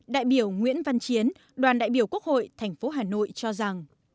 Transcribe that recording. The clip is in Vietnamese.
đại biểu nguyễn văn chiến đoàn đại biểu quốc hội tp hà nội cho rằng